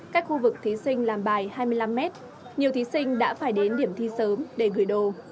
cách khu vực thí sinh làm bài hai mươi năm m nhiều thí sinh đã phải đến điểm thi sớm để gửi đồ